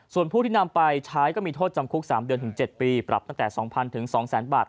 ส่วนผู้ที่นำไปใช้ก็มีโทษจำคุก๓เดือนถึง๗ปีปรับตั้งแต่๒๐๐๒๐๐๐บาท